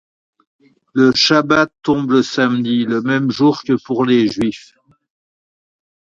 Le shabbat tombe le samedi, le même jour que pour les juifs.